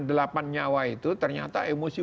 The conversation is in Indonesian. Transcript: delapan nyawa itu ternyata emosi